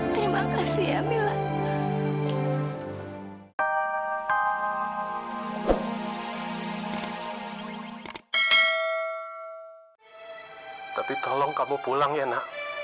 sampai jumpa di video selanjutnya